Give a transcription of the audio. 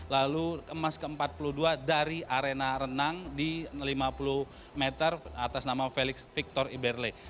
lalu emas ke empat puluh dua dari arena renang di lima puluh meter atas nama felix victor iberle